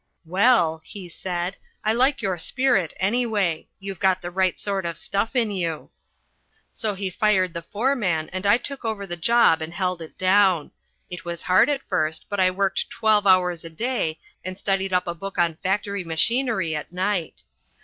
"Well," he said, "I like your spirit anyway; you've got the right sort of stuff in you." So he fired the foreman and I took over the job and held it down. It was hard at first, but I worked twelve hours a day, and studied up a book on factory machinery at night.